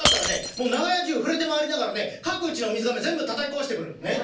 もう長屋中触れて回りながらね各家の水がめ全部たたき壊してくる。